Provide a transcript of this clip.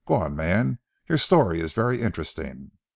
Go on, man. Your story is very interesting."